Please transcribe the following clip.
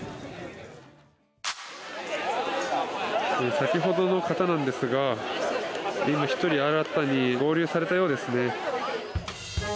先ほどの方なんですが今、１人新たに合流されたようですね。